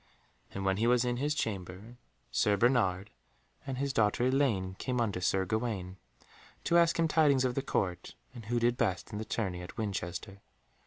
And when he was in his chamber, Sir Bernard and his daughter Elaine came unto Sir Gawaine, to ask him tidings of the Court, and who did best in the tourney at Winchester.